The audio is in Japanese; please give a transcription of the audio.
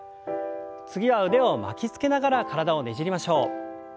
次は腕を巻きつけながら体をねじりましょう。